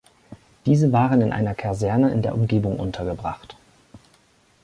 Diese waren in einer Kaserne in der Umgebung untergebracht.